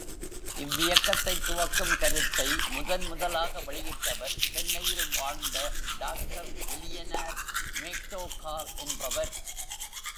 இவ்வியக்கத்தைத் துவக்கும் கருத்தை முதன்முதலாக வெளியிட்டவர் சென்னையில் வாழ்ந்த டாக்டர் எலியனார் மேக் டோகால் என்பவர்.